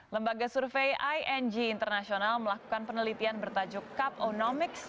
lembaga survei ing international melakukan penelitian bertajuk caponomics